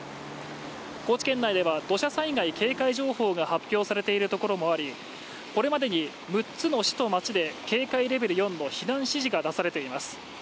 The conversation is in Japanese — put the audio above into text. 高知県内では土砂災害警戒情報が発表されているところもあり、これまでに６つの市と町で警戒レベル４の避難指示が出されています。